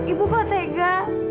ibu kok tega